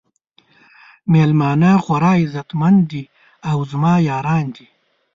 میلمانه خورا عزت مند دي او زما یاران دي.